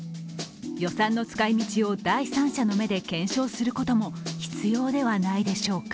予算の使いみちを第三者の目で検証することも必要ではないでしょうか。